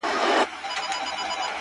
تا څه کول جانانه چي راغلی وې وه کور ته!!